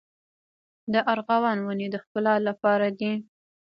د ارغوان ونې د ښکلا لپاره دي؟